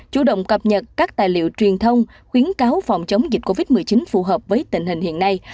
chủ động cập nhật các tài liệu truyền thông khuyến cáo phòng chống dịch covid một mươi chín phù hợp với tình hình hiện nay